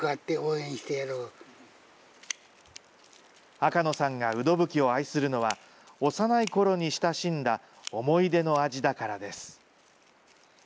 赤野さんがウドブキを愛するのは、幼いころに親しんだ思い出の味だからです。